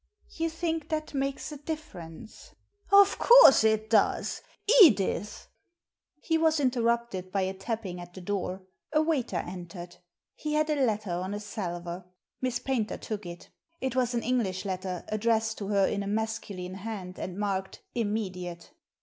You think that makes a difference ?"" Of course it does. Edith '* He was interrupted by a tapping at the door. A waiter entered. He had a letter on a salver. Miss Paynter took it It was an English letter, addressed to her in a masculine hand, and marked " Immediate."